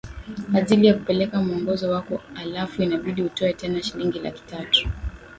ajili ya kupeleka muongozo wako alafu inabidi utoe tena shilingi laki tatu